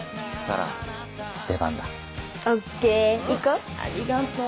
ありがとう。